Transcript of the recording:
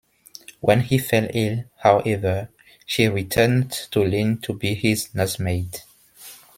When he fell ill, however, she returned to Lynn to be his nursemaid.